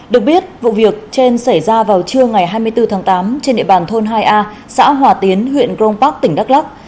được biết vụ việc trên xảy ra vào trưa ngày hai mươi bốn tháng tám trên địa bàn thôn hai a xã hòa tiến huyện grong park tỉnh đắk lắc